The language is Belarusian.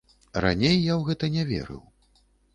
Раней я ў гэта не верыў.